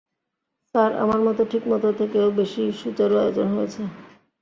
Sir, আমার মতে ঠিকমতো থেকেও বেশি সুচারু আয়োজন হয়েছে।